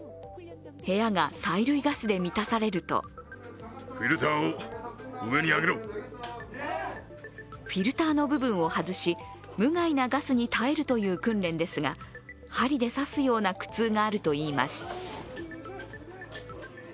部屋が催涙ガスで満たされるとフィルターの部分を外し、無害なガスに耐えるという訓練ですが針で刺すような苦痛があるといいます。